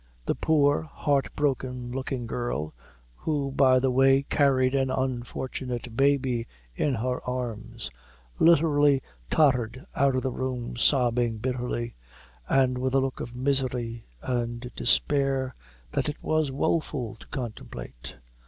The poor heart broken looking girl, who by the way carried an unfortunate baby in her arms, literally tottered out of the room, sobbing bitterly, and with a look of misery and despair that it was woeful to contemplate.